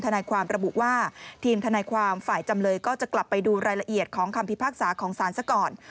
นายความระบุว่าทีมทนายความฝ่ายจำเลยก็จะกลับไปดูรายละเอียดของคำพิพากษาของศาลซะก่อน